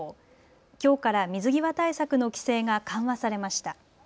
きょうから水際対策の規制が緩和されました。